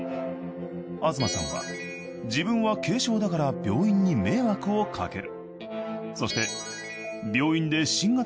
東さんは自分は軽症だから病院に迷惑をかける。